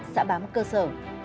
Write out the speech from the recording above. xã bám cơ sở